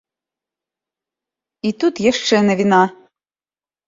І тут яшчэ навіна.